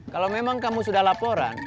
kalau memang kamu sudah laporan